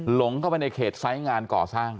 หลงเข้าไปในเขตไซต์งานข่อสร้าง